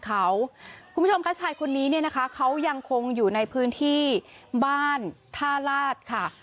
คุณผู้ชมคะชายคนนี้เนี่ยนะคะเขายังคงอยู่ในพื้นที่บ้านท่าลาศค่ะ